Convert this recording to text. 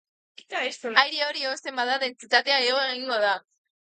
Aire hori hozten bada, dentsitatea igo egingo da.